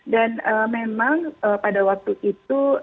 memang pada waktu itu